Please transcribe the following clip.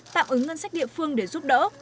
tạm ứng ngân sách địa phương để giúp đỡ